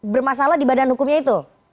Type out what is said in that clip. bermasalah di badan hukumnya itu